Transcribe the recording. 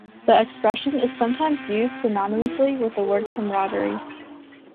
The expression is sometimes used synonymously with the word camaraderie.